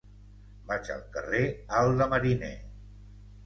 Vaig al carrer Alt de Mariner.